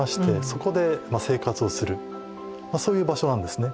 そういう場所なんですね。